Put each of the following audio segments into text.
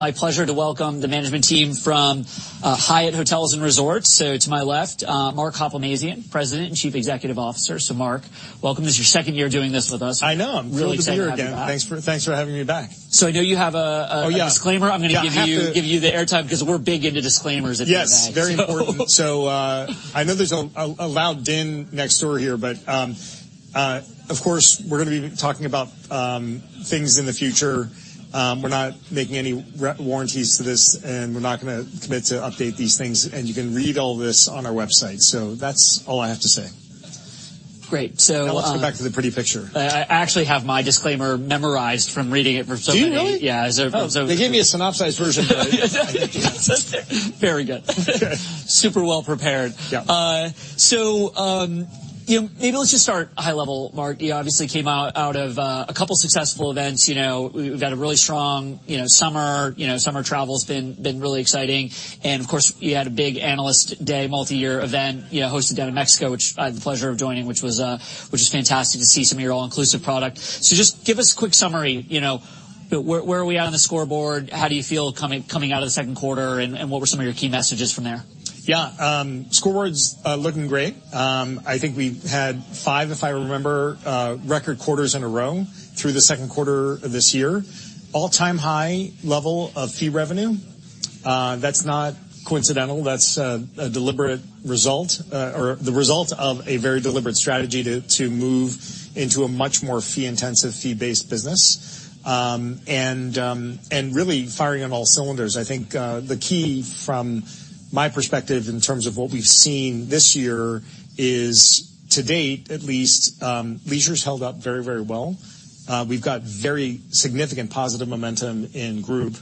My pleasure to welcome the management team from Hyatt Hotels and Resorts. To my left, Mark Hoplamazian, President and Chief Executive Officer. Mark, welcome. This is your second year doing this with us. I know. I'm glad to be here again. Really excited to have you back. Thanks for having me back. I know you have a- Oh, yeah. -a disclaimer. Yeah, I have to- I'm going to give you the airtime because we're big into disclaimers at the bank. Yes, very important. I know there's a loud din next door here, but, of course, we're going to be talking about things in the future. We're not making any re-- warranties to this, and we're not going to commit to update these things, and you can read all this on our website. That's all I have to say. Great. So, Now let's go back to the pretty picture. I actually have my disclaimer memorized from reading it for so many. Do you, really? Yeah. So, They gave me a synopsized version, but... Very good. Okay. Super well prepared. Yeah. So, you know, maybe let's just start high level, Mark. You obviously came out of a couple successful events. You know, we've got a really strong, you know, summer. You know, summer travel's been really exciting. And, of course, you had a big analyst day, multi-year event, you know, hosted down in Mexico, which I had the pleasure of joining, which was fantastic to see some of your all-inclusive product. So just give us a quick summary. You know, where are we at on the scoreboard? How do you feel coming out of the second quarter, and what were some of your key messages from there? Yeah, scoreboard's looking great. I think we've had five, if I remember, record quarters in a row through the second quarter of this year. All-time high level of fee revenue. That's not coincidental. That's a deliberate result, or the result of a very deliberate strategy to move into a much more fee-intensive, fee-based business. Really firing on all cylinders. I think the key from my perspective in terms of what we've seen this year is, to date at least, leisure's held up very, very well. We've got very significant positive momentum in group,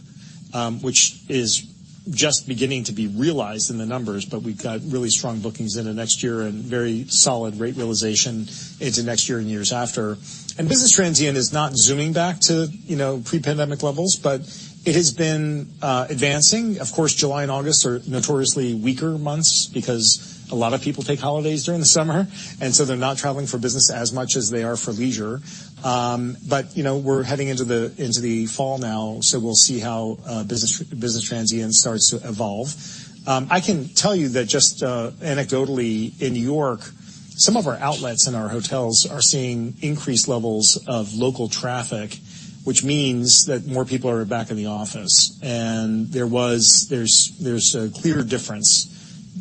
which is just beginning to be realized in the numbers, but we've got really strong bookings into next year and very solid rate realization into next year and years after. And business transient is not zooming back to, you know, pre-pandemic levels, but it has been advancing. Of course, July and August are notoriously weaker months because a lot of people take holidays during the summer, and so they're not traveling for business as much as they are for leisure. But, you know, we're heading into the fall now, so we'll see how business transient starts to evolve. I can tell you that just anecdotally, in New York, some of our outlets in our hotels are seeing increased levels of local traffic, which means that more people are back in the office. There's a clear difference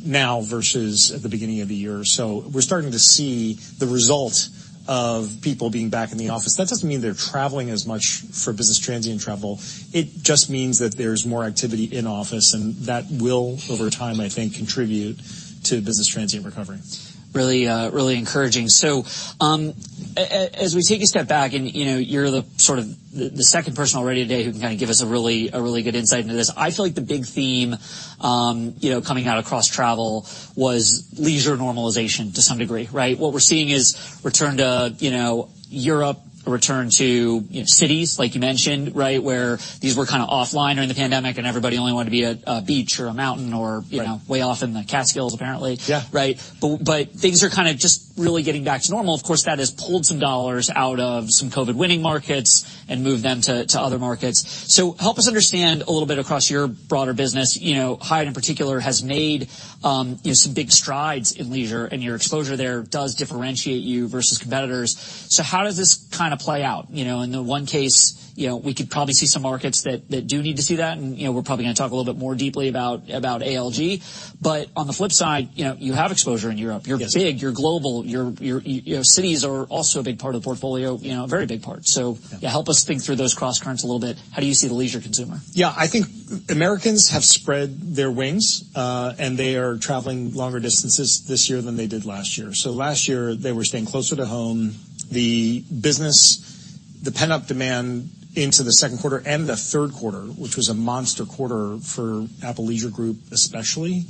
now versus at the beginning of the year. So we're starting to see the result of people being back in the office. That doesn't mean they're traveling as much for business transient travel. It just means that there's more activity in office, and that will, over time, I think, contribute to business transient recovery. Really, really encouraging. As we take a step back, and, you know, you're sort of the second person already today who can give us a really, a really good insight into this. I feel like the big theme, you know, coming out across travel was leisure normalization to some degree, right? What we're seeing is return to, you know, Europe, a return to, you know, cities like you mentioned, right? Where these were kind of offline during the pandemic, and everybody only wanted to be at a beach or a mountain or- Right. You know, way off in the Catskills, apparently. Yeah. Right. But, but things are kind of just really getting back to normal. Of course, that has pulled some dollars out of some COVID-winning markets and moved them to, to other markets. So help us understand a little bit across your broader business. You know, Hyatt, in particular, has made, you know, some big strides in leisure, and your exposure there does differentiate you versus competitors. So how does this kind of play out? You know, in the one case, you know, we could probably see some markets that, that do need to see that, and, you know, we're probably going to talk a little bit more deeply about, about ALG. But on the flip side, you know, you have exposure in Europe. Yes. You're big, you're global. Your, you know, cities are also a big part of the portfolio, you know, a very big part. Yeah. Help us think through those crosscurrents a little bit. How do you see the leisure consumer? Yeah, I think Americans have spread their wings, and they are traveling longer distances this year than they did last year. So last year, they were staying closer to home. The business, the pent-up demand into the second quarter and the third quarter, which was a monster quarter for Apple Leisure Group especially,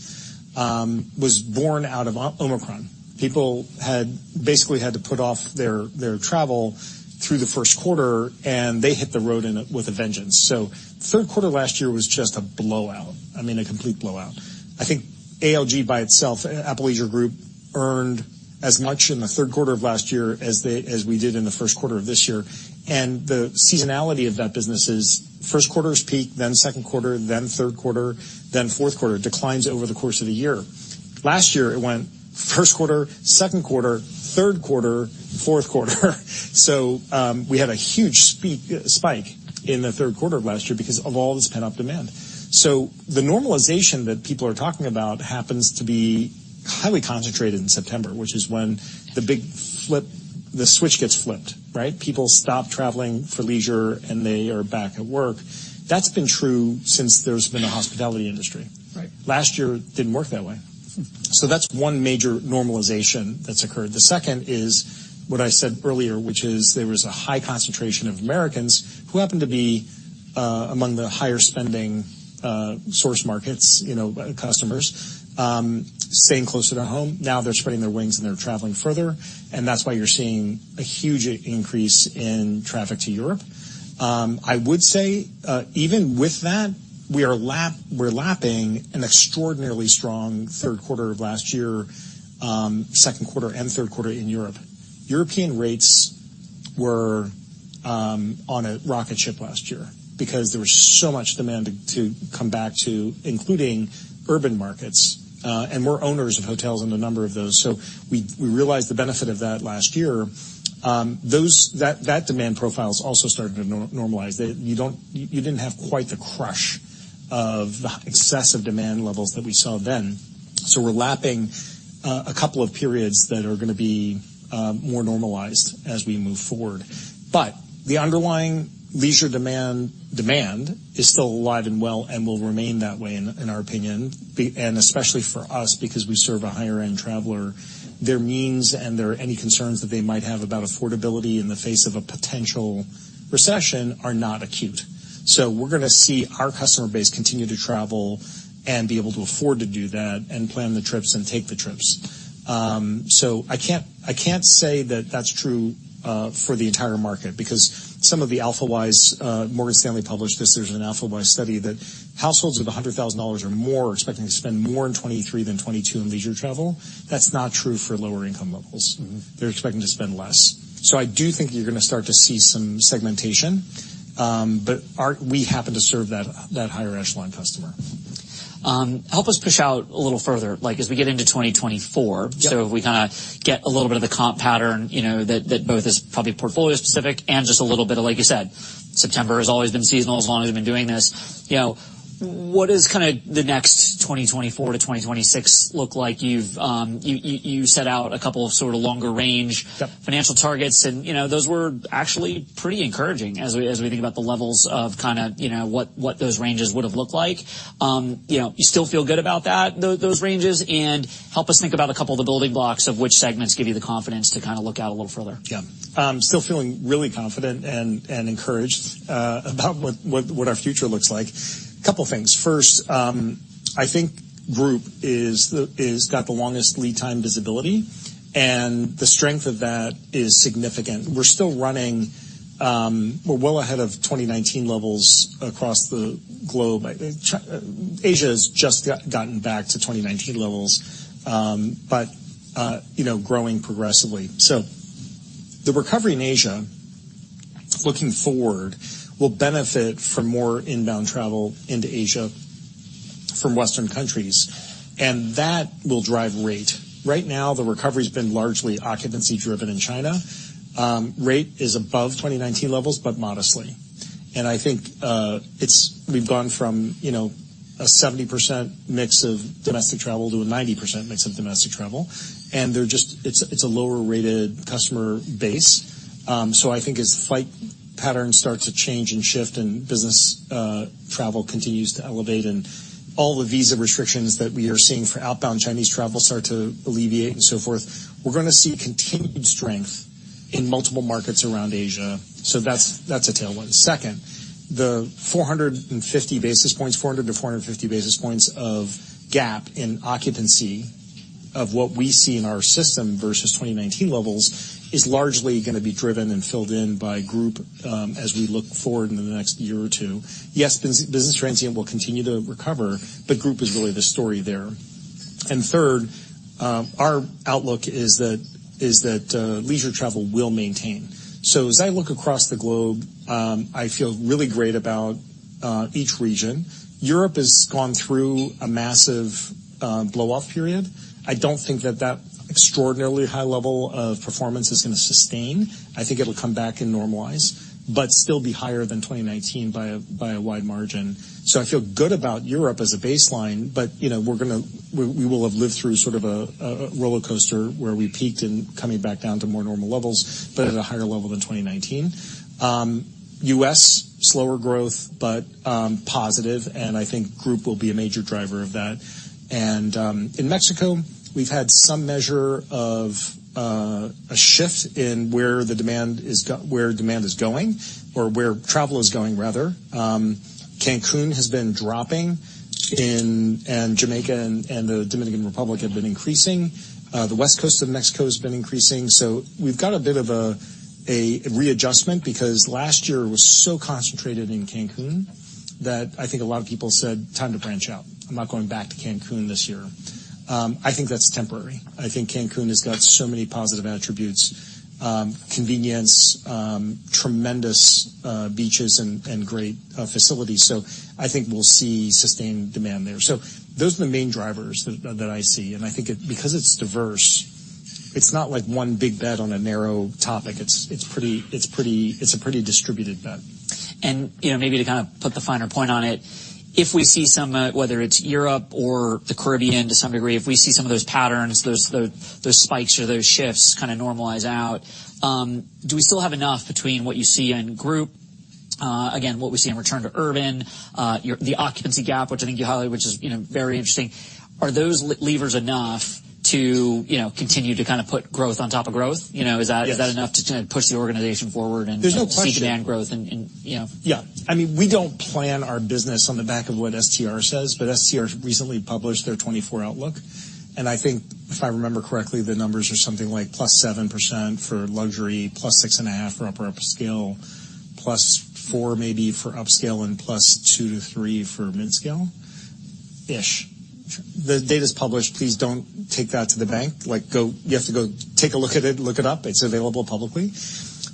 was born out of Omicron. People had, basically, had to put off their, their travel through the first quarter, and they hit the road with a vengeance. So the third quarter last year was just a blowout. I mean, a complete blowout. I think ALG by itself, Apple Leisure Group, earned as much in the third quarter of last year as they- as we did in the first quarter of this year. And the seasonality of that business is first quarter is peak, then second quarter, then third quarter, then fourth quarter. Declines over the course of the year. Last year, it went first quarter, second quarter, third quarter, fourth quarter. So, we had a huge spike in the third quarter of last year because of all this pent-up demand. So the normalization that people are talking about happens to be highly concentrated in September, which is when the big flip, the switch gets flipped, right? People stop traveling for leisure, and they are back at work. That's been true since there's been a hospitality industry. Right. Last year, it didn't work that way. So that's one major normalization that's occurred. The second is what I said earlier, which is there was a high concentration of Americans who happened to be among the higher spending source markets, you know, customers staying closer to home. Now they're spreading their wings, and they're traveling further, and that's why you're seeing a huge increase in traffic to Europe. I would say even with that, we are lapping an extraordinarily strong third quarter of last year, second quarter, and third quarter in Europe. European rates were on a rocket ship last year because there was so much demand to come back to, including urban markets, and we're owners of hotels in a number of those. So we realized the benefit of that last year. That demand profile has also started to normalize. You didn't have quite the crush of the excessive demand levels that we saw then. So we're lapping a couple of periods that are gonna be more normalized as we move forward. But the underlying leisure demand is still alive and well and will remain that way, in our opinion, and especially for us, because we serve a higher-end traveler. Their means, and there are any concerns that they might have about affordability in the face of a potential recession, are not acute. So we're gonna see our customer base continue to travel and be able to afford to do that and plan the trips and take the trips. So I can't, I can't say that that's true, for the entire market, because some of the AlphaWise, Morgan Stanley published this. There's an AlphaWise study that households with $100,000 or more are expecting to spend more in 2023 than 2022 in leisure travel. That's not true for lower-income locals. Mm-hmm. They're expecting to spend less. I do think you're gonna start to see some segmentation, but we happen to serve that higher echelon customer. Help us push out a little further, like, as we get into 2024- Yep. So we kind of get a little bit of the comp pattern, you know, that both is probably portfolio specific and just a little bit of, like you said, September has always been seasonal as long as we've been doing this. You know, what is kind of the next 2024-2026 look like? You've set out a couple of sort of longer range- Yep. -financial targets, and, you know, those were actually pretty encouraging as we, as we think about the levels of kind of, you know, what, what those ranges would have looked like. You know, you still feel good about that, those ranges? And help us think about a couple of the building blocks of which segments give you the confidence to kind of look out a little further. Yeah. I'm still feeling really confident and encouraged about what our future looks like. A couple things. First, I think group is got the longest lead time visibility, and the strength of that is significant. We're still running. We're well ahead of 2019 levels across the globe. Asia has just gotten back to 2019 levels, but you know, growing progressively. So the recovery in Asia, looking forward, will benefit from more inbound travel into Asia from Western countries, and that will drive rate. Right now, the recovery's been largely occupancy driven in China. Rate is above 2019 levels, but modestly. And I think, it's we've gone from, you know, a 70% mix of domestic travel to a 90% mix of domestic travel, and it's, it's a lower-rated customer base. So I think as flight patterns start to change and shift, and business travel continues to elevate, and all the visa restrictions that we are seeing for outbound Chinese travel start to alleviate and so forth, we're gonna see continued strength in multiple markets around Asia. So that's a tailwind. Second, the 400-450 basis points of gap in occupancy of what we see in our system versus 2019 levels, is largely gonna be driven and filled in by group, as we look forward into the next year or two. Business transient will continue to recover, but group is really the story there. And third, our outlook is that leisure travel will maintain. So as I look across the globe, I feel really great about each region. Europe has gone through a massive blow-off period. I don't think that extraordinarily high level of performance is gonna sustain. I think it'll come back and normalize, but still be higher than 2019 by a wide margin. So I feel good about Europe as a baseline, but you know, we're gonna. We will have lived through sort of a rollercoaster, where we peaked and coming back down to more normal levels, but at a higher level than 2019. U.S., slower growth, but positive, and I think group will be a major driver of that. And in Mexico, we've had some measure of a shift in where the demand is going or where travel is going, rather. Cancun has been dropping in, and Jamaica and the Dominican Republic have been increasing. The west coast of Mexico has been increasing. So we've got a bit of a, a readjustment because last year was so concentrated in Cancun that I think a lot of people said: "Time to branch out. I'm not going back to Cancun this year." I think that's temporary. I think Cancun has got so many positive attributes: convenience, tremendous, beaches and, and great, facilities. So I think we'll see sustained demand there. So those are the main drivers that, that I see, and I think it, because it's diverse, it's not like one big bet on a narrow topic. It's, it's pretty, it's pretty, it's a pretty distributed bet. You know, maybe to kind of put the finer point on it, if we see some, whether it's Europe or the Caribbean, to some degree, if we see some of those patterns, those spikes or those shifts kind of normalize out, do we still have enough between what you see in group, again, what we see in return to urban, the occupancy gap, which I think you highlighted, which is, you know, very interesting. Are those levers enough to, you know, continue to kind of put growth on top of growth? You know, is that- Yes. -is that enough to push the organization forward and- There's no question. See demand growth and, you know? Yeah. I mean, we don't plan our business on the back of what STR says, but STR recently published their 2024 outlook, and I think, if I remember correctly, the numbers are something like +7% for Luxury, +6.5% for Upper-Upscale, +4% maybe for Upscale, and +2%-+3% for Midscale-ish. The data's published, please don't take that to the bank. Like, go-- you have to go take a look at it, look it up. It's available publicly.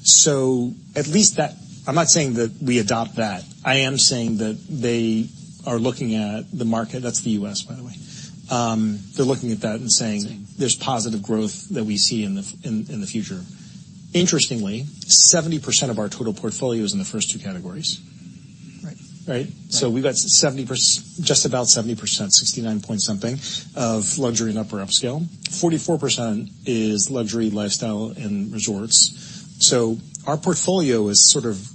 So at least that, I'm not saying that we adopt that. I am saying that they are looking at the market. That's the U.S., by the way. They're looking at that and saying, "There's positive growth that we see in the, in, in the future." Interestingly, 70% of our total portfolio is in the first two categories. Right. Right? So we've got 70%, just about 70%, 69-point-something, of Luxury and Upper-Upscale. 44% is Luxury, lifestyle, and resorts. So our portfolio is sort of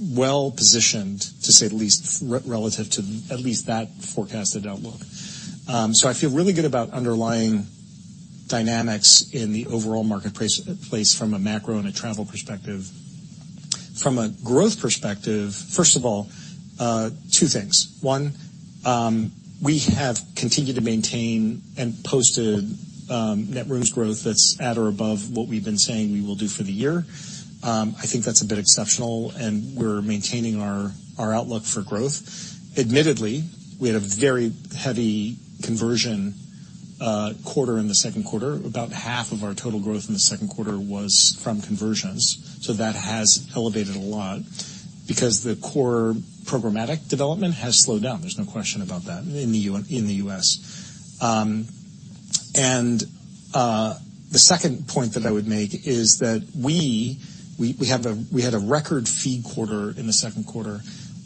well-positioned, to say the least, relative to at least that forecasted outlook. So I feel really good about underlying dynamics in the overall market place from a macro and a travel perspective. From a growth perspective, first of all, two things: One, we have continued to maintain and posted net rooms growth that's at or above what we've been saying we will do for the year. I think that's a bit exceptional, and we're maintaining our outlook for growth. Admittedly, we had a very heavy conversion quarter in the second quarter. About half of our total growth in the second quarter was from conversions, so that has elevated a lot because the core programmatic development has slowed down. There's no question about that in the U.S. And the second point that I would make is that we had a record fee quarter in the second quarter.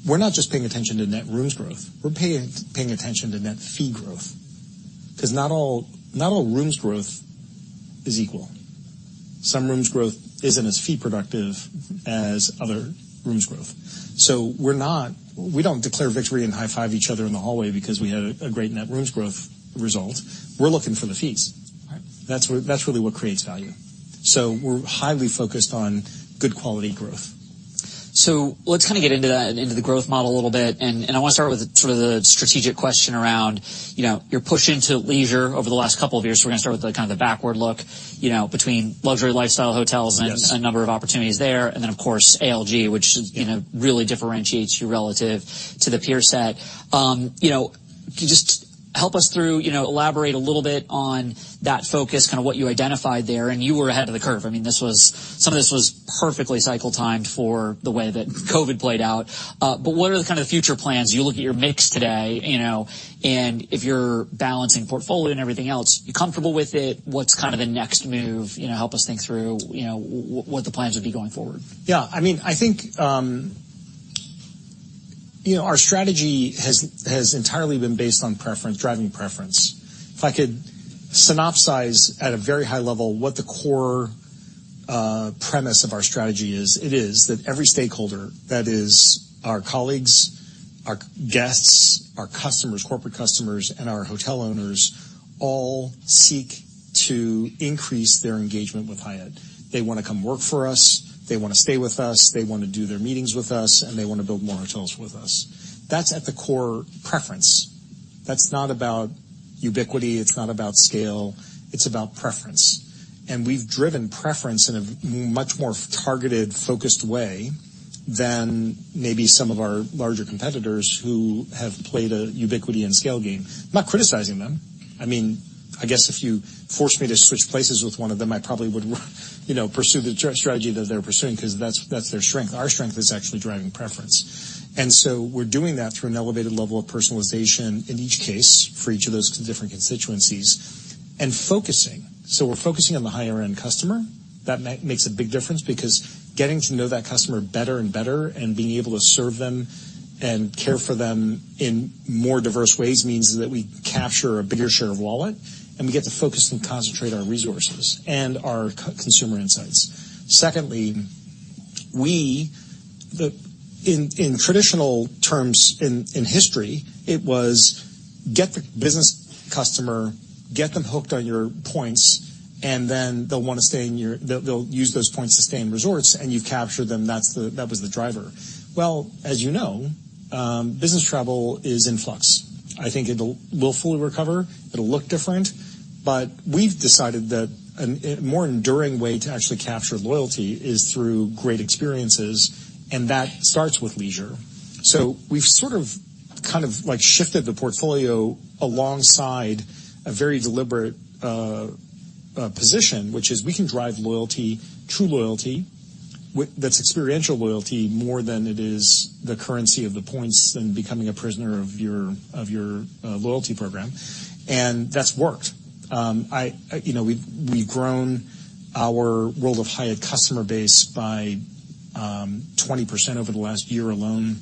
We're not just paying attention to Net Rooms Growth. We're paying attention to Net Fee Growth, 'cause not all rooms growth is equal. Some rooms growth isn't as fee productive as other rooms growth. So we're not-- we don't declare victory and high-five each other in the hallway because we had a great Net Rooms Growth result. We're looking for the fees. Right. That's really what creates value. So we're highly focused on good quality growth. So let's kind of get into that, into the growth model a little bit, and, and I want to start with sort of the strategic question around, you know, your push into leisure over the last couple of years. So we're gonna start with the kind of the backward look, you know, between Luxury lifestyle hotels- Yes. And a number of opportunities there, and then, of course, ALG, which, you know, really differentiates you relative to the peer set. You know, can you just help us through, you know, elaborate a little bit on that focus, kind of what you identified there, and you were ahead of the curve. I mean, this was, some of this was perfectly cycle-timed for the way that COVID played out. But what are the kind of future plans? You look at your mix today, you know, and if you're balancing portfolio and everything else, you comfortable with it? What's kind of the next move? You know, help us think through, you know, what the plans would be going forward. Yeah. I mean, I think, you know, our strategy has, has entirely been based on preference, driving preference. If I could synopsize at a very high level what the core premise of our strategy is, it is that every stakeholder, that is our colleagues, our guests, our customers, corporate customers, and our hotel owners, all seek to increase their engagement with Hyatt. They want to come work for us, they want to stay with us, they want to do their meetings with us, and they want to build more hotels with us. That's at the core preference. That's not about ubiquity, it's not about scale, it's about preference. And we've driven preference in a much more targeted, focused way than maybe some of our larger competitors who have played a ubiquity and scale game. I'm not criticizing them. I mean, I guess if you forced me to switch places with one of them, I probably would, you know, pursue the strategy that they're pursuing, 'cause that's, that's their strength. Our strength is actually driving preference. And so we're doing that through an elevated level of personalization in each case for each of those different constituencies and focusing. So we're focusing on the higher-end customer. That makes a big difference because getting to know that customer better and better and being able to serve them and care for them in more diverse ways means that we capture a bigger share of wallet, and we get to focus and concentrate our resources and our consumer insights. Secondly, we, the... In traditional terms, in history, it was get the business customer, get them hooked on your points, and then they'll want to stay in your—they'll, they'll use those points to stay in resorts, and you've captured them. That's the—that was the driver. Well, as you know, business travel is in flux. I think it'll will fully recover. It'll look different, but we've decided that a more enduring way to actually capture loyalty is through great experiences, and that starts with leisure. So we've sort of, kind of, like, shifted the portfolio alongside a very deliberate position, which is we can drive loyalty, true loyalty, that's experiential loyalty, more than it is the currency of the points and becoming a prisoner of your, of your, loyalty program. And that's worked. You know, we've, we've grown our World of Hyatt customer base by 20% over the last year alone.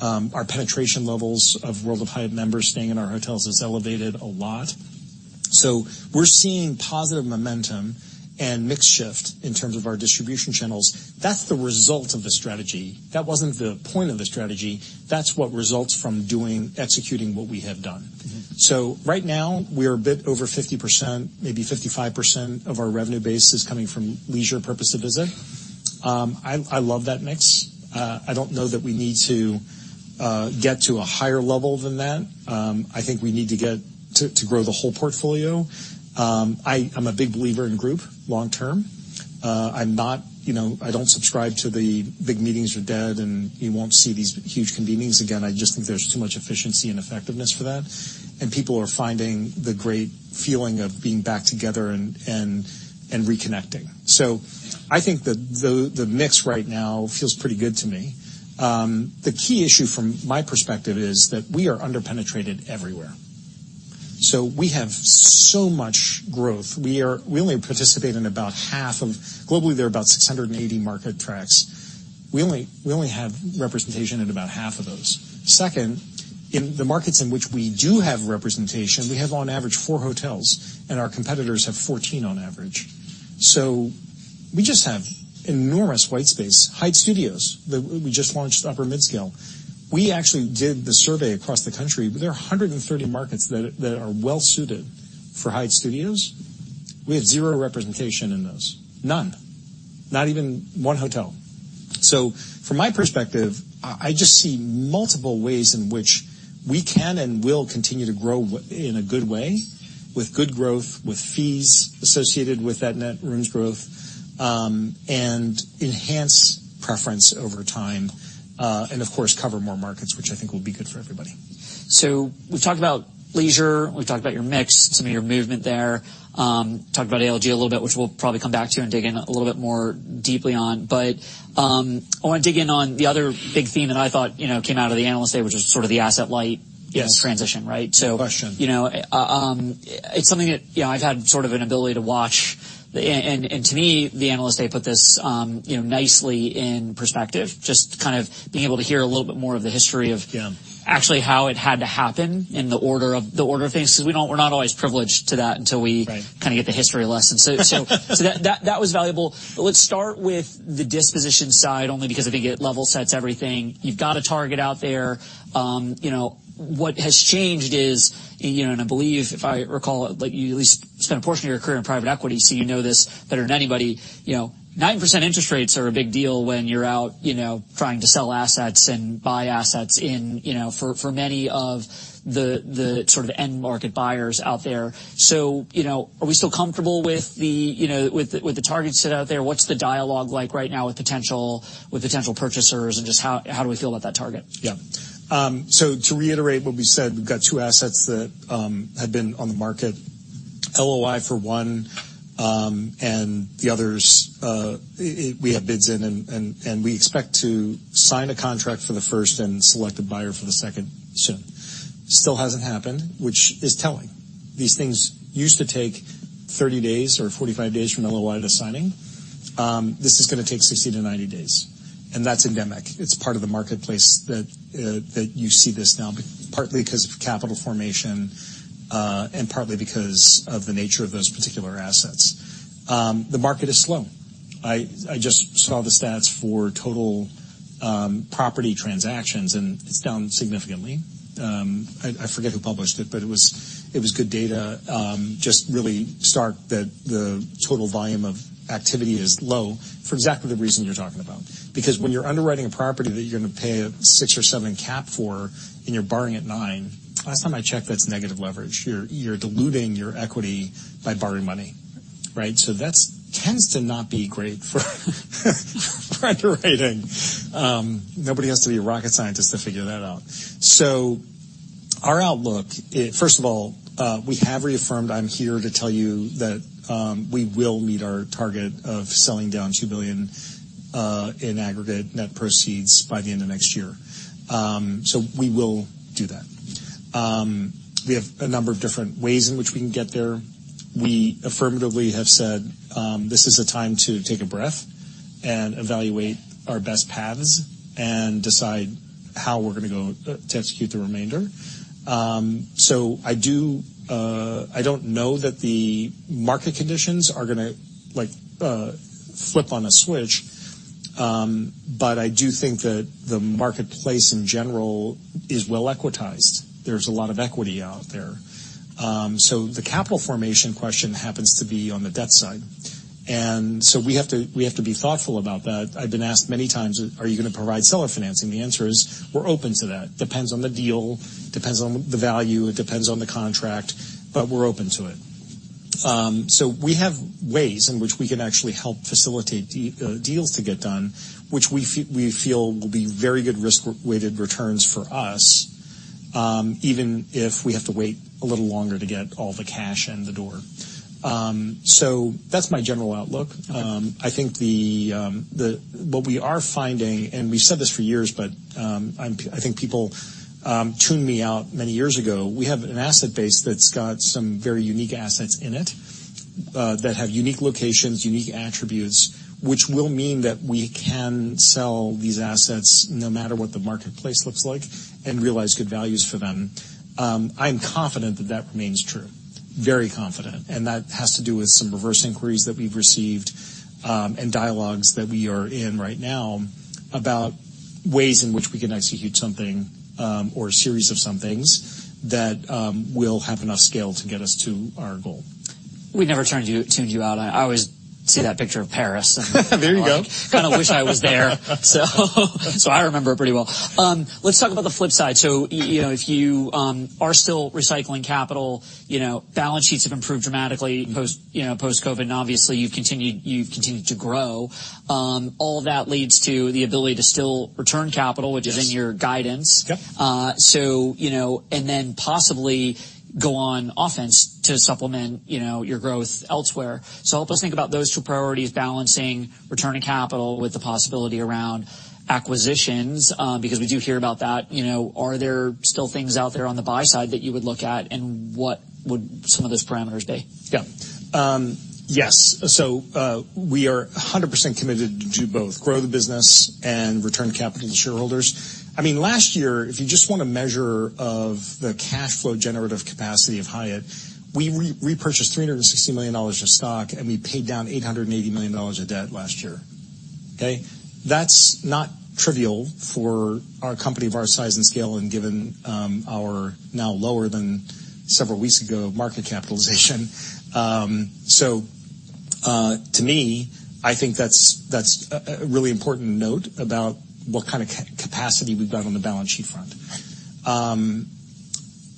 Our penetration levels of World of Hyatt members staying in our hotels has elevated a lot. So we're seeing positive momentum and mix shift in terms of our distribution channels. That's the result of the strategy. That wasn't the point of the strategy. That's what results from doing, executing what we have done. Mm-hmm. So right now, we are a bit over 50%, maybe 55% of our revenue base is coming from leisure, purpose of visit. I love that mix. I don't know that we need to get to a higher level than that. I think we need to grow the whole portfolio. I'm a big believer in group, long term. I'm not, you know, I don't subscribe to the big meetings are dead, and you won't see these huge convenings again. I just think there's too much efficiency and effectiveness for that, and people are finding the great feeling of being back together and reconnecting. So I think that the mix right now feels pretty good to me. The key issue from my perspective is that we are under-penetrated everywhere. So we have so much growth. We only participate in about half of... Globally, there are about 680 market tracks. We only have representation in about half of those. Second, in the markets in which we do have representation, we have on average 4 hotels, and our competitors have 14 on average. So we just have enormous white space. Hyatt Studios, that we just launched Upper Midscale, we actually did the survey across the country, but there are 130 markets that are well suited for Hyatt Studios. We have zero representation in those. None. Not even one hotel. So from my perspective, I just see multiple ways in which we can and will continue to grow in a good way, with good growth, with fees associated with that Net Rooms Growth, and enhance preference over time, and of course, cover more markets, which I think will be good for everybody. So we've talked about leisure, we've talked about your mix, some of your movement there. Talked about ALG a little bit, which we'll probably come back to and dig in a little bit more deeply on. But, I want to dig in on the other big theme that I thought, you know, came out of the Analyst Day, which is sort of the asset-light- Yes. -transition, right? Good question. So, you know, it's something that, you know, I've had sort of an ability to watch. And to me, the Analyst Day put this, you know, nicely in perspective, just kind of being able to hear a little bit more of the history of- Yeah. Actually how it had to happen and the order of, the order of things, because we don't--we're not always privileged to that until we- Right. Kind of get the history lesson. So that was valuable. Let's start with the disposition side, only because I think it level sets everything. You've got a target out there. You know, what has changed is, you know, and I believe, if I recall, that you at least spent a portion of your career in private equity, so you know this better than anybody, you know, 9% interest rates are a big deal when you're out, you know, trying to sell assets and buy assets in, you know, for many of the sort of end market buyers out there. So, you know, are we still comfortable with the targets set out there? What's the dialogue like right now with potential purchasers? And just how do we feel about that target? Yeah. So to reiterate what we said, we've got two assets that have been on the market. LOI for one, and the others, we have bids in, and we expect to sign a contract for the first and select a buyer for the second soon. Still hasn't happened, which is telling. These things used to take 30 days or 45 days from LOI to signing. This is going to take 60-90 days, and that's endemic. It's part of the marketplace that you see this now, partly because of capital formation, and partly because of the nature of those particular assets. The market is slow. I just saw the stats for total property transactions, and it's down significantly. I forget who published it, but it was good data, just really stark that the total volume of activity is low for exactly the reason you're talking about. Because when you're underwriting a property that you're going to pay a 6 or 7 cap for, and you're borrowing at 9, last time I checked, that's negative leverage. You're diluting your equity by borrowing money, right? So that tends to not be great for underwriting. Nobody has to be a rocket scientist to figure that out. So our outlook. First of all, we have reaffirmed, I'm here to tell you that we will meet our target of selling down $2 billion in aggregate net proceeds by the end of next year. So we will do that. We have a number of different ways in which we can get there. We affirmatively have said this is a time to take a breath and evaluate our best paths and decide how we're going to go to execute the remainder. So I do... I don't know that the market conditions are going to, like, flip on a switch, but I do think that the marketplace in general is well-equitized. There's a lot of equity out there. So the capital formation question happens to be on the debt side, and so we have to, we have to be thoughtful about that. I've been asked many times, "Are you going to provide seller financing?" The answer is, we're open to that. Depends on the deal, depends on the value, it depends on the contract, but we're open to it. So we have ways in which we can actually help facilitate deals to get done, which we feel will be very good risk-weighted returns for us, even if we have to wait a little longer to get all the cash in the door. So that's my general outlook. Okay. I think what we are finding, and we've said this for years, but I think people tuned me out many years ago, we have an asset base that's got some very unique assets in it that have unique locations, unique attributes, which will mean that we can sell these assets no matter what the marketplace looks like and realize good values for them. I'm confident that that remains true. Very confident, and that has to do with some reverse inquiries that we've received and dialogues that we are in right now about ways in which we can execute something or a series of some things that will have enough scale to get us to our goal. We've never tuned you out. I always see that picture of Paris. There you go. Kind of wish I was there. So, I remember it pretty well. Let's talk about the flip side. So, you know, if you are still recycling capital, you know, balance sheets have improved dramatically- Mm-hmm. -post, you know, post-COVID, and obviously, you've continued, you've continued to grow. All of that leads to the ability to still return capital- Yes. which is in your guidance. Yep. So, you know, and then possibly go on offense to supplement, you know, your growth elsewhere. So help us think about those two priorities, balancing returning capital with the possibility around acquisitions, because we do hear about that. You know, are there still things out there on the buy side that you would look at, and what would some of those parameters be? Yeah. Yes, we are 100% committed to do both, grow the business and return capital to shareholders. I mean, last year, if you just want a measure of the cash flow generative capacity of Hyatt, we repurchased $360 million of stock, and we paid down $880 million of debt last year. Okay? That's not trivial for a company of our size and scale, and given our now lower than several weeks ago, market capitalization. To me, I think that's a really important note about what kind of capacity we've got on the balance sheet front.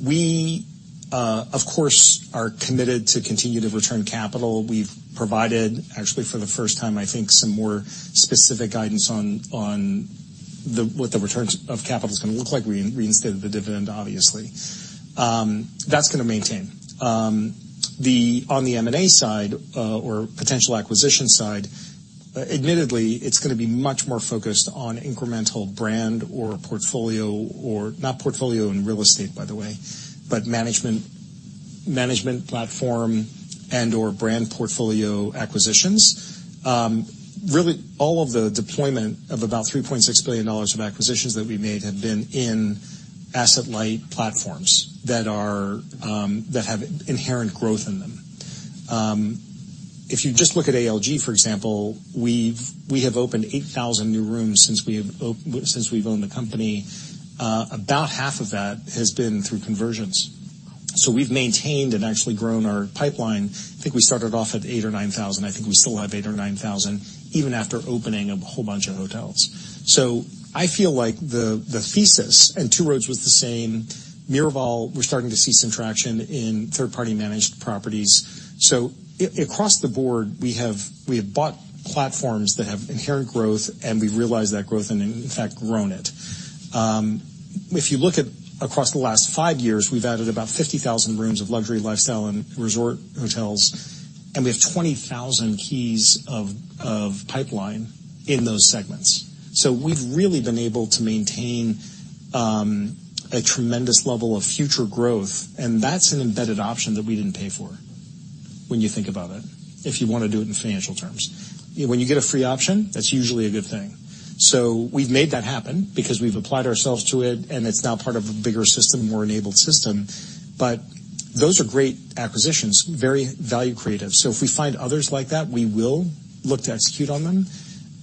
We, of course, are committed to continue to return capital. We've provided, actually, for the first time, I think, some more specific guidance on what the returns of capital is going to look like. We reinstated the dividend, obviously. That's going to maintain. On the M&A side, or potential acquisition side, admittedly, it's going to be much more focused on incremental brand or portfolio or... Not portfolio in real estate, by the way, but management, management platform and/or brand portfolio acquisitions. Really, all of the deployment of about $3.6 billion of acquisitions that we've made have been in asset-light platforms that are, that have inherent growth in them. If you just look at ALG, for example, we have opened 8,000 new rooms since we've owned the company. About half of that has been through conversions. So we've maintained and actually grown our pipeline. I think we started off at 8,000 or 9,000. I think we still have 8,000 or 9,000, even after opening a whole bunch of hotels. So I feel like the thesis, and Two Roads was the same, Miraval, we're starting to see some traction in third-party managed properties. So across the board, we have bought platforms that have inherent growth, and we've realized that growth and, in fact, grown it. If you look across the last 5 years, we've added about 50,000 rooms of Luxury, lifestyle, and resort hotels, and we have 20,000 keys of pipeline in those segments. So we've really been able to maintain a tremendous level of future growth, and that's an embedded option that we didn't pay for when you think about it, if you want to do it in financial terms. When you get a free option, that's usually a good thing. So we've made that happen because we've applied ourselves to it, and it's now part of a bigger system, a more enabled system. But those are great acquisitions, very value creative. So if we find others like that, we will look to execute on them.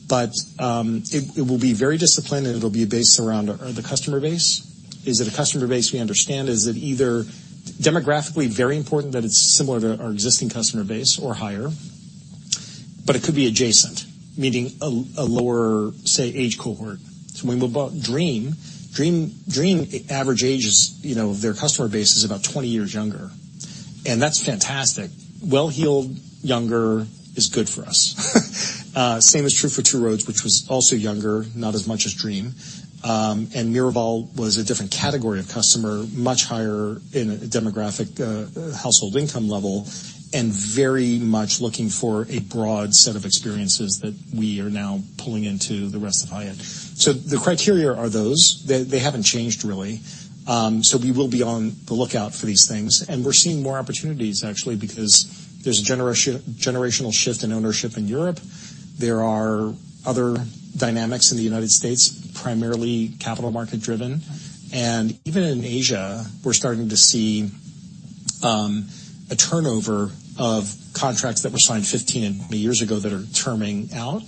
But it will be very disciplined, and it'll be based around the customer base. Is it a customer base we understand? Is it either demographically very important that it's similar to our existing customer base or higher? But it could be adjacent, meaning a lower, say, age cohort. So when we bought Dream, the average age is, you know, of their customer base, is about 20 years younger, and that's fantastic. Well-heeled, younger is good for us. Same is true for Two Roads, which was also younger, not as much as Dream. And Miraval was a different category of customer, much higher in a demographic, household income level, and very much looking for a broad set of experiences that we are now pulling into the rest of Hyatt. So the criteria are those. They, they haven't changed, really. So we will be on the lookout for these things, and we're seeing more opportunities, actually, because there's a generational shift in ownership in Europe. There are other dynamics in the United States, primarily capital market driven, and even in Asia, we're starting to see a turnover of contracts that were signed 15 and 20 years ago that are terming out.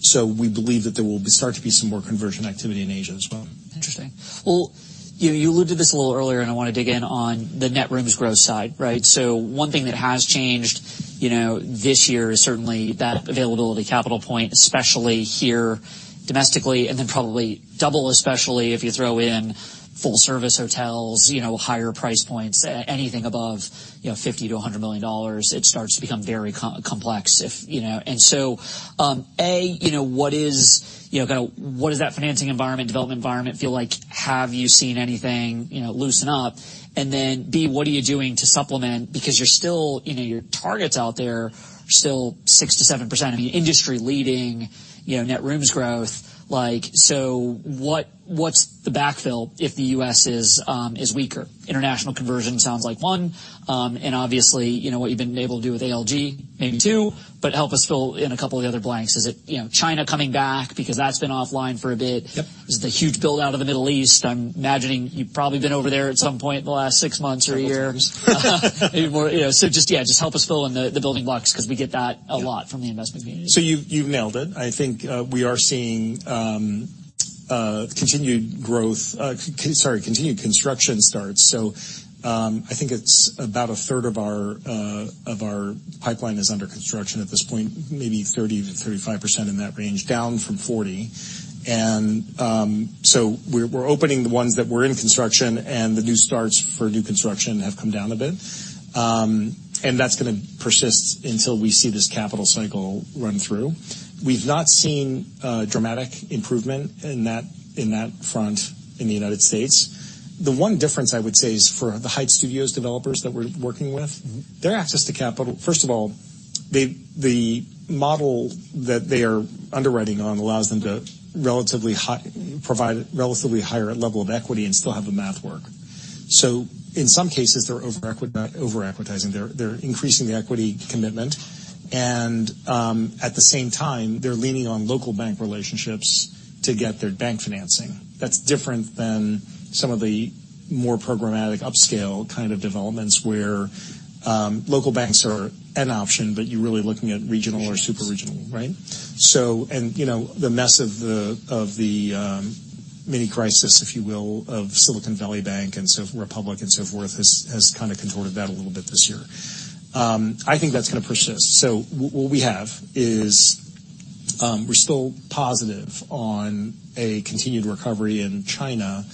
So we believe that there will start to be some more conversion activity in Asia as well. Interesting. Well, you alluded to this a little earlier, and I want to dig in on the Net Rooms Growth side, right? So one thing that has changed, you know, this year is certainly that availability capital point, especially here domestically, and then probably double, especially if you throw in full-service hotels, you know, higher price points, anything above, you know, $50 million-$100 million, it starts to become very complex if, you know. And so, A, you know, what is, you know, kind of what does that financing environment, development environment feel like? Have you seen anything, you know, loosen up? And then, B, what are you doing to supplement because you're still, you know, your targets out there are still 6%-7%. I mean, industry-leading, you know, Net Rooms Growth. Like, so what, what's the backfill if the U.S. is weaker? International conversion sounds like one, and obviously, you know, what you've been able to do with ALG, maybe two, but help us fill in a couple of the other blanks. Is it, you know, China coming back? Because that's been offline for a bit. Yep. There's the huge build out of the Middle East. I'm imagining you've probably been over there at some point in the last six months or years. Several times. Maybe more. Yeah, so just help us fill in the building blocks, because we get that a lot. Yeah. From the investment community. So you've nailed it. I think we are seeing continued construction starts. So I think it's about a third of our pipeline is under construction at this point, maybe 30%-35% in that range, down from 40%. So we're opening the ones that were in construction, and the new starts for new construction have come down a bit. And that's going to persist until we see this capital cycle run through. We've not seen dramatic improvement in that front in the United States. The one difference I would say is for the Hyatt Studios developers that we're working with, their access to capital. First of all, the model that they are underwriting on allows them to provide relatively higher level of equity and still have the math work. So in some cases, they're overequitizing, they're increasing the equity commitment. And at the same time, they're leaning on local bank relationships to get their bank financing. That's different than some of the more programmatic, upscale kind of developments where local banks are an option, but you're really looking at regional or super regional, right? So and, you know, the mess of the mini crisis, if you will, of Silicon Valley Bank and so Republic and so forth, has kind of contorted that a little bit this year. I think that's going to persist. So what we have is, we're still positive on a continued recovery in China.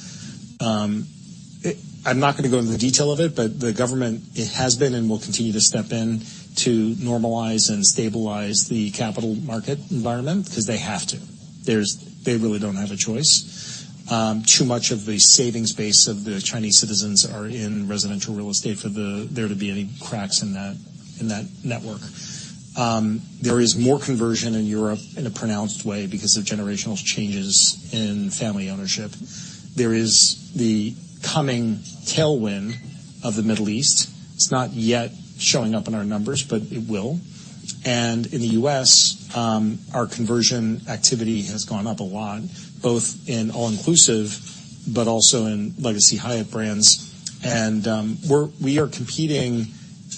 I'm not going to go into the detail of it, but the government, it has been and will continue to step in to normalize and stabilize the capital market environment, because they have to. There's-- They really don't have a choice. Too much of the savings base of the Chinese citizens are in residential real estate for there to be any cracks in that network. There is more conversion in Europe in a pronounced way because of generational changes in family ownership. There is the coming tailwind of the Middle East. It's not yet showing up in our numbers, but it will. And in the U.S., our conversion activity has gone up a lot, both in all-inclusive but also in legacy Hyatt brands. And, we're, we are competing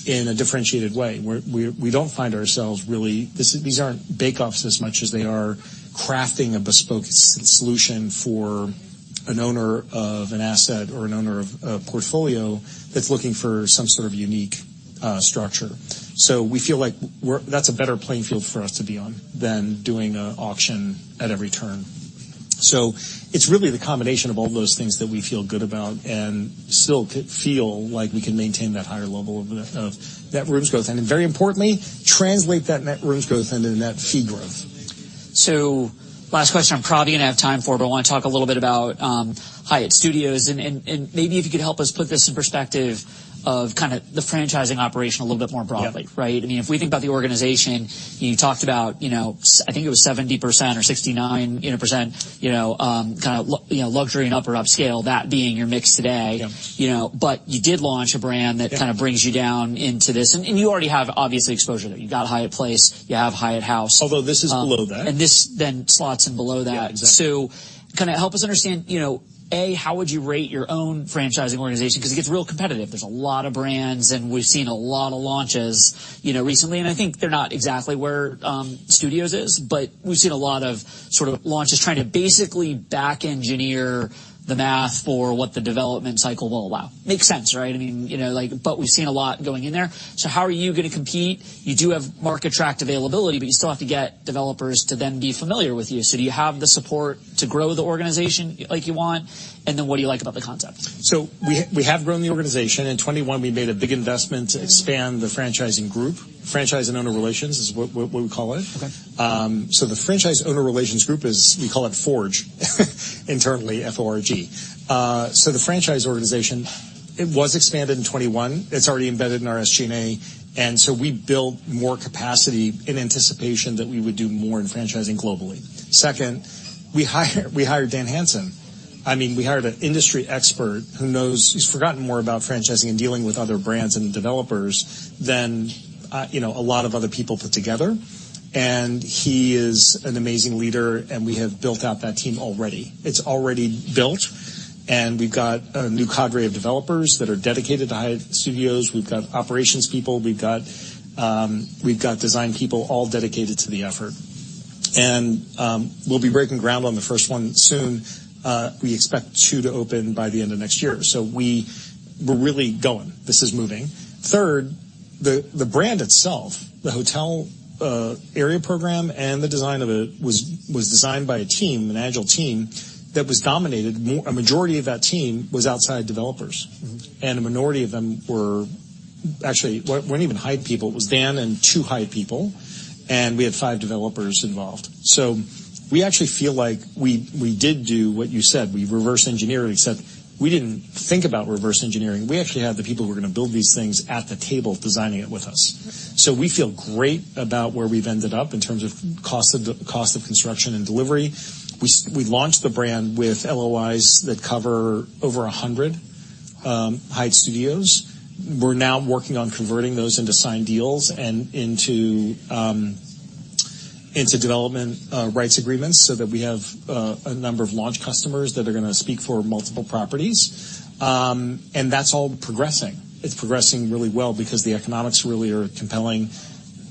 in a differentiated way. We're, we, we don't find ourselves really... This, these aren't bake-offs as much as they are crafting a bespoke solution for an owner of an asset or an owner of a portfolio that's looking for some sort of unique, structure. So we feel like we're, that's a better playing field for us to be on than doing an auction at every turn. So it's really the combination of all those things that we feel good about and still feel like we can maintain that higher level of, of net rooms growth, and very importantly, translate that net rooms growth into net fee growth. So last question, I'm probably going to have time for, but I want to talk a little bit about Hyatt Studios, and maybe if you could help us put this in perspective of kind of the franchising operation a little bit more broadly. Yeah. Right? I mean, if we think about the organization, you talked about, you know, I think it was 70% or 69%, you know, %, you know, kind of Luxury and Upper-Upscale, that being your mix today. Yeah. You know, but you did launch a brand- Yeah That kind of brings you down into this. And, and you already have, obviously, exposure there. You've got Hyatt Place, you have Hyatt House. Although this is below that. And this then slots in below that. Yeah, exactly. So kind of help us understand, you know, A, how would you rate your own franchising organization? Because it gets real competitive. There's a lot of brands, and we've seen a lot of launches, you know, recently, and I think they're not exactly where Studios is, but we've seen a lot of sort of launches trying to basically back engineer the math for what the development cycle will allow. Makes sense, right? I mean, you know, like, but we've seen a lot going in there. So how are you going to compete? You do have market tract availability, but you still have to get developers to then be familiar with you. So do you have the support to grow the organization like you want? And then what do you like about the concept? So we have grown the organization. In 2021, we made a big investment to expand the franchising group. Franchising Owner Relations is what we call it. Okay. So the Franchise Owner Relations group is, we call it FORG, internally, F-O-R-G. So the franchise organization, it was expanded in 2021. It's already embedded in our SG&A, and so we built more capacity in anticipation that we would do more in franchising globally. Second, we hired, we hired Dan Hansen. I mean, we hired an industry expert who knows—he's forgotten more about franchising and dealing with other brands and developers than you know a lot of other people put together. And he is an amazing leader, and we have built out that team already. It's already built, and we've got a new cadre of developers that are dedicated to Hyatt Studios. We've got operations people, we've got, we've got design people, all dedicated to the effort. And we'll be breaking ground on the first one soon. We expect 2 to open by the end of next year. So we're really going. This is moving. Third, the brand itself, the hotel area program, and the design of it was designed by a team, an agile team, that was dominated. A majority of that team was outside developers, and a minority of them were actually weren't even Hyatt people. It was Dan and 2 Hyatt people, and we had 5 developers involved. So we actually feel like we did do what you said, we reverse engineered. Except we didn't think about reverse engineering. We actually had the people who are going to build these things at the table, designing it with us. So we feel great about where we've ended up in terms of cost of the cost of construction and delivery. We launched the brand with LOIs that cover over 100 Hyatt Studios. We're now working on converting those into signed deals and into development rights agreements, so that we have a number of launch customers that are going to speak for multiple properties. And that's all progressing. It's progressing really well because the economics really are compelling.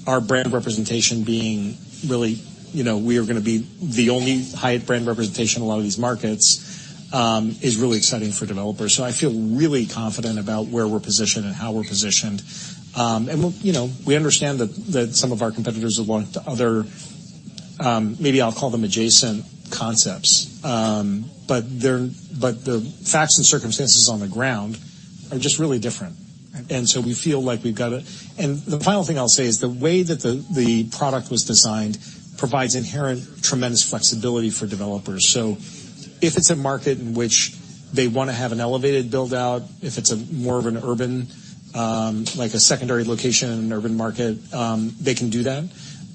Our brand representation being really, you know, we are going to be the only Hyatt brand representation in a lot of these markets is really exciting for developers. So I feel really confident about where we're positioned and how we're positioned. And, look, you know, we understand that some of our competitors have launched other, maybe I'll call them adjacent concepts. But the facts and circumstances on the ground are just really different. Right. We feel like we've got it. The final thing I'll say is, the way that the product was designed provides inherent, tremendous flexibility for developers. If it's a market in which they want to have an elevated build out, if it's more of an urban, like a secondary location in an urban market, they can do that.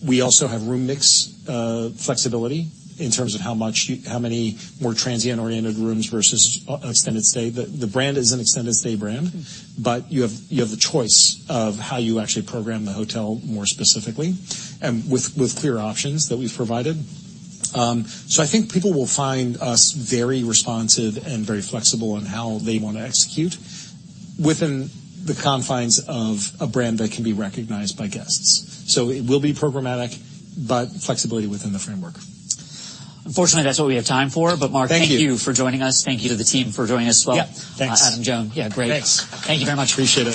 We also have room mix, flexibility in terms of how much, how many more transient-oriented rooms versus extended stay. The brand is an extended stay brand, but you have the choice of how you actually program the hotel more specifically, and with clear options that we've provided. I think people will find us very responsive and very flexible on how they want to execute within the confines of a brand that can be recognized by guests. It will be programmatic, but flexibility within the framework. Unfortunately, that's all we have time for. Thank you. Mark, thank you for joining us. Thank you to the team for joining us as well. Yeah, thanks. Adam, Joan. Yeah, great. Thanks. Thank you very much. Appreciate it.